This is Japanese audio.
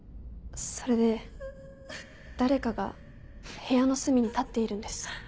それで誰かが部屋の隅に立っているんです。